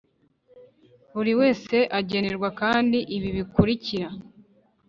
Buri wese agenerwa kandi ibi bikurikira